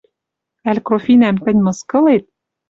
Ӓль Крофинӓм тӹнь мыскылет